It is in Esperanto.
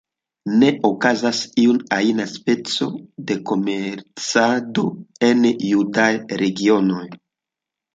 Ne okazas iu ajn speco de komercado en judaj regionoj.